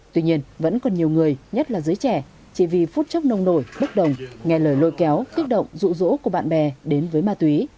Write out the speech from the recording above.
tuy nhiên vẫn còn nhiều người nhất là giới trẻ chỉ vì phút chốc nông nổi bức đồng nghe lời lội kéo kích động rụ rỗ của bạn bè đến với ma túy